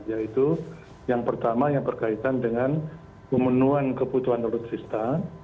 yaitu yang pertama yang berkaitan dengan pemenuhan kebutuhan alutsista